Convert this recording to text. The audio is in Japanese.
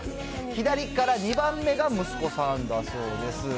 左から２番目が息子さんだそうです。